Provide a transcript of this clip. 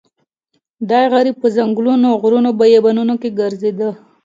دی غریب په ځنګلونو غرونو بیابانونو ګرځېده.